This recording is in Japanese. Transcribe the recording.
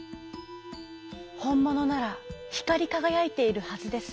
「ほんものならひかりかがやいているはずです。